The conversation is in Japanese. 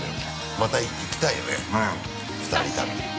また行きたいよね、２人旅。